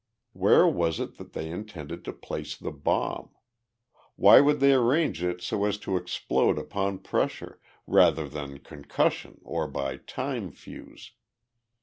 Where was it that they intended to place the bomb? Why would they arrange it so as to explode upon pressure, rather than concussion or by a time fuse?